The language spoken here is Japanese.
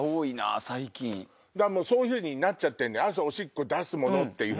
そういうふうになっちゃってるの朝おしっこ出すものって。